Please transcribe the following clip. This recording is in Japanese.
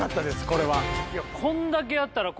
こんだけやったら。